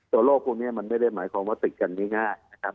ตัวโรคพวกนี้มันไม่ได้หมายความว่าติดกันง่าย